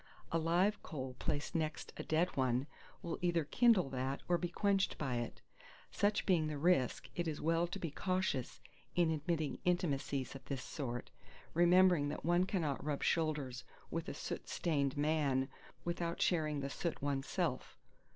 A live coal placed next a dead one will either kindle that or be quenched by it. Such being the risk, it is well to be cautious in admitting intimacies of this sort, remembering that one cannot rub shoulders with a soot stained man without sharing the soot oneself.